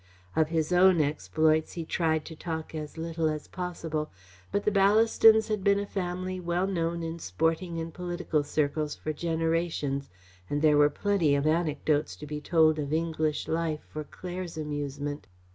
Of his own exploits he tried to talk as little as possible, but the Ballastons had been a family well known in sporting and political circles for generations, and there were plenty of anecdotes to be told of English life for Claire's amusement.